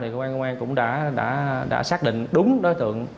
cơ quan công an cũng đã xác định đúng đối tượng